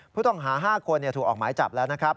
ผู้ต้องหา๕คนถูกออกหมายจับแล้วนะครับ